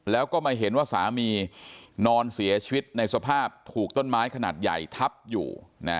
แล้วก็มาเห็นว่าสามีนอนเสียชีวิตในสภาพถูกต้นไม้ขนาดใหญ่ทับอยู่